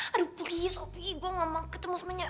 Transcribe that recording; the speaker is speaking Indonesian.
aduh please sofi gue gak mau ketemu semuanya